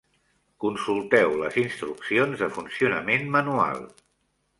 Consulteu les instruccions de funcionament manual